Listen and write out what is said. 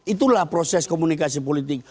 itulah proses komunikasi politik